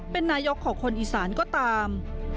เป็นนายกของคนอีสานก็ตาม